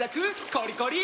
コリコリ！